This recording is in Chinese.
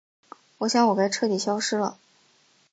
我想我该彻底消失了。